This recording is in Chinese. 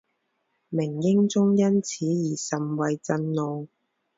明英宗因此而甚为震怒。